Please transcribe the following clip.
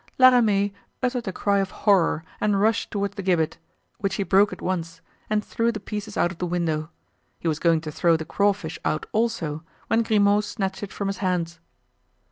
La Ramee uttered a cry of horror and rushed toward the gibbet, which he broke at once and threw the pieces out of the window. He was going to throw the crawfish out also, when Grimaud snatched it from his hands.